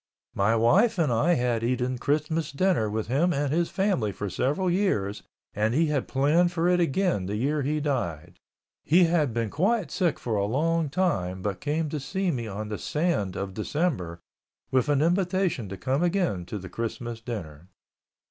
My wife and I had eaten Christmas dinner with him and his family for several years and he had planned for it again the year he died. He had been quite sick for a long time but came to see me on the sand of December with an invitation to come again to the Christmas dinner.